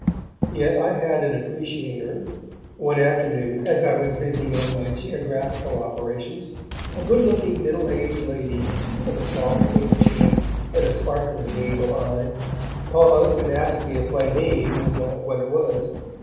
Yet I had an appreciator. One afternoon, as I was busy on my geographical operations, a good looking middle aged lady, with a soft pink cheek and a sparkling hazel eye, paused and asked me if my name was not what it was.